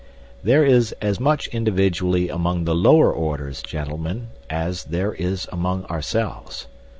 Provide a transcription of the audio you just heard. "There is as much individuality among the lower orders, gentlemen, as there is among ourselves.